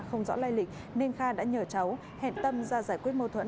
không rõ lai lịch nên kha đã nhờ cháu hẹn tâm ra giải quyết mâu thuẫn